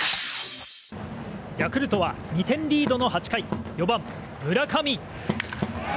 ヤクルトは２点リードの８回４番、村上。